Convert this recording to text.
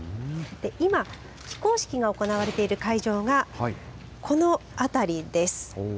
今、起工式が行われている会場がこの辺りです。